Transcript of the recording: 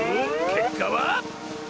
けっかは。